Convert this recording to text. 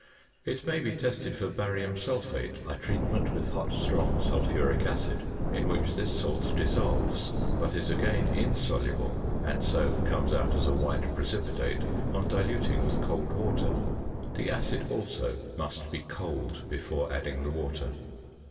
It may be tested for barium sulphate by treatment with hot strong sulphuric acid; in which this salt dissolves, but is again insoluble (and so comes out as a white precipitate) on diluting with cold water; the acid also must be cold before adding the water.